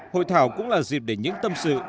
hội thảo cũng là dịp để những tâm sự